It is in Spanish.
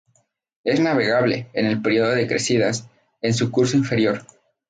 Es navegable, en el período de crecidas, en su curso inferior.